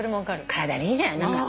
体にいいじゃない。